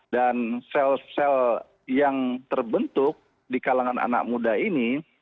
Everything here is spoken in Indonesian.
dan sel sel yang terbentuk di kalangan anak muda ini